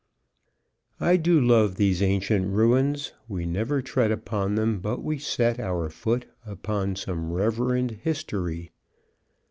I do love these ancient ruins. We never tread upon them but we set Our foot upon some reverend history.